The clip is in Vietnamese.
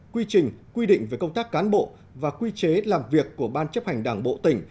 quy trình quy định về công tác cán bộ và quy chế làm việc của ban chấp hành đảng bộ tỉnh